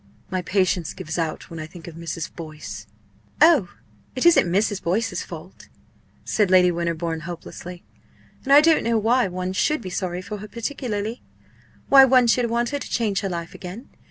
My patience gives out when I think of Mrs. Boyce." "Oh! it isn't Mrs. Boyce's fault," said Lady Winterbourne, hopelessly. "And I don't know why one should be sorry for her particularly why one should want her to change her life again.